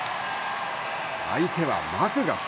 相手はマクガフ。